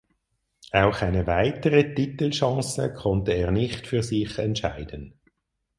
Auch eine weitere Titelchance konnte er nicht für sich entscheiden.